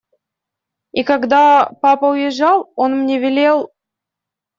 И, когда папа уезжал, он мне велел…